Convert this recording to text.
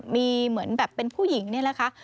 มีเหมือนแบบเป็นผู้หญิงเนี่ยนะคะ